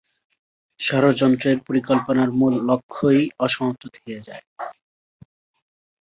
ষড়যন্ত্রের পরিকল্পনার মূল লক্ষ্যই অসমাপ্ত থেকে যায়।